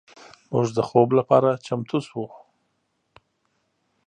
موږ د خوب لپاره چمتو شو.